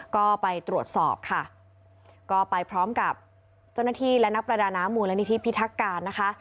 ก็ไปตรวจสอบค่ะก็ไปพร้อมกับเจ้าหน้าที่และนักประดาน้ำมูลนิธิพิทักการนะคะ